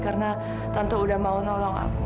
karena tante udah mau nolong aku